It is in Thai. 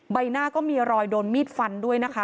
ใบหน้าก็มีรอยโดนมีดฟันด้วยนะคะ